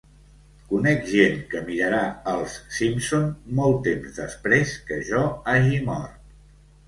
Conec gent que mirarà "Els Simpson" molt temps després que jo hagi mort.